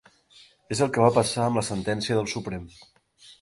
És el que va passar amb la sentència del Suprem.